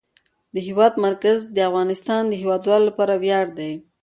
د هېواد مرکز د افغانستان د هیوادوالو لپاره ویاړ دی.